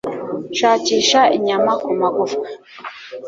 shakisha inyama ku magufwa